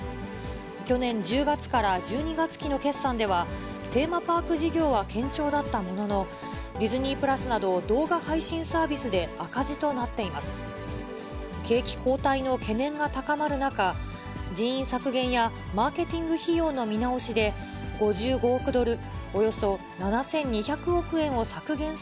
去年１０月から１２月期の決算では、テーマパーク事業は堅調だったものの、ディズニー＋など、動画配信サービスで赤字となっています。